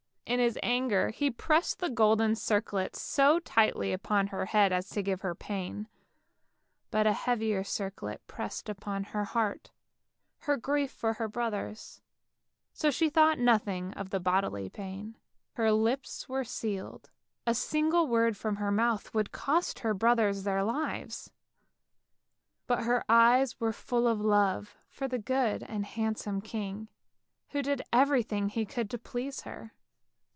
In his anger he pressed the golden circlet so tightly upon her head as to give her pain. But a heavier circlet pressed upon her heart, her grief for her brothers, so she thought nothing of the bodily pain. Her lips were sealed, a single word from her mouth would cost her brothers their lives, but her eyes were full of love for the good and handsome king, who did everything he could to please her.